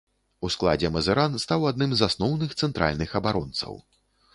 У складзе мазыран стаў адным з асноўных цэнтральных абаронцаў.